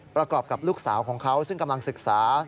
ประกอบกับลูกสาวของเขาซึ่งกำลังศึกษา